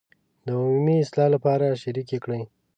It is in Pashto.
د عمومي اصلاح لپاره شریکې کړي.